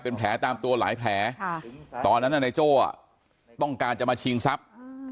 เป็นแผลตามตัวหลายแผลตอนนั้นนายโจ้ต้องการจะมาชิงทรัพย์